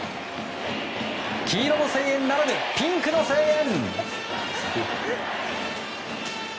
黄色の声援ならぬピンクの声援。